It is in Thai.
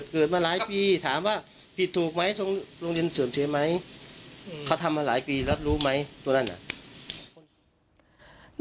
เขาทำมาหลายปีแล้วรู้ไหมตัวนั้นน่ะ